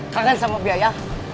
kangen sama biaya